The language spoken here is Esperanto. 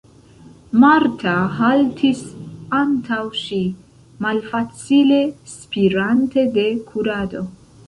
Marta haltis antaŭ ŝi, malfacile spirante de kurado.